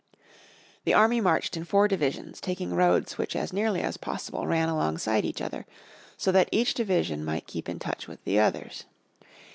The army marched in four divisions, taking roads which as nearly as possible ran alongside each other, so that each division might keep in touch with the others.